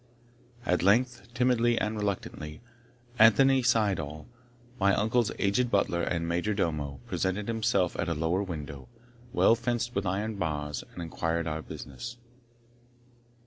At length, timidly and reluctantly, Anthony Syddall, my uncle's aged butler and major domo, presented himself at a lower window, well fenced with iron bars, and inquired our business.